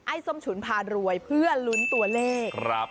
ส้มฉุนพารวยเพื่อลุ้นตัวเลข